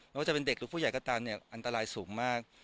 ว่าจะเป็นเด็กหรือผู้ใหญ่ก็ตามเนี่ยอันตรายสูงมาก